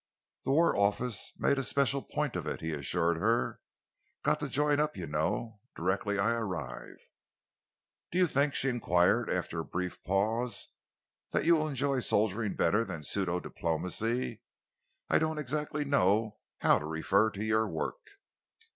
"The War Office made a special point of it," he assured her. "Got to join up, you know, directly I arrive." "Do you think," she enquired after a brief pause, "that you will enjoy soldiering better than pseudo diplomacy? I don't exactly know how to refer to your work.